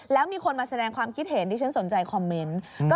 แล้วมีคนมาแสดงความคิดเห็นดิฉันสนใจคอมเมนต์